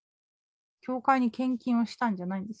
教会に献金をしたんじゃないんです。